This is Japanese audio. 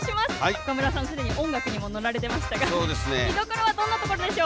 岡村さん、すでに音楽にも乗られていましたが見どころはどんなところでしょう。